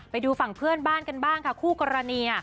ไปดูฝั่งเพื่อนบ้านกันบ้างค่ะคู่กรณี